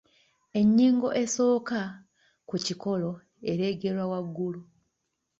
Ennyingo esooka ku kikolo ereegerwa waggulu.